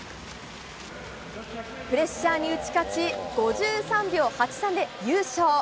プレッシャーに打ち勝ち、５３秒８３で優勝。